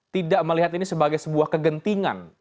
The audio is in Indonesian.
tidak melihat ini sebagai sebuah kegentingan